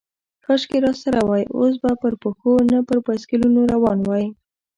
کاشکې راسره وای، اوس به پر پښو، نه پر بایسکلونو روان وای.